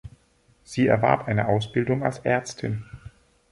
Sie erwarb eine Ausbildung als Ärztin.